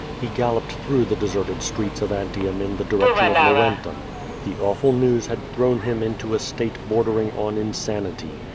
He galloped through the deserted streets of Antrium in the direction of Laurentum. The awful news had thrown him into a state bordering on insanity.